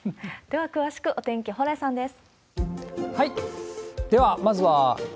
では詳しく、お天気、蓬莱さんです。